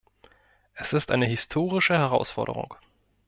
Es ist eine historische Herausforderung.